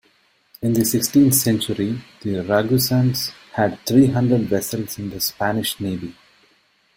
In the sixteenth century the Ragusan's had three hundred vessels in the Spanish navy.